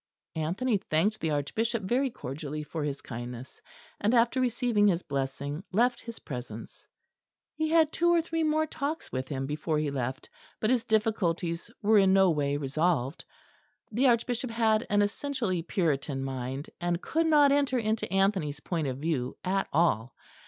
Anthony thanked the Archbishop very cordially for his kindness, and, after receiving his blessing, left his presence. He had two or three more talks with him before he left, but his difficulties were in no way resolved. The Archbishop had an essentially Puritan mind, and could not enter into Anthony's point of view at all.